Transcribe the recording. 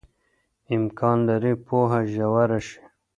امکان لري پوهه ژوره شي.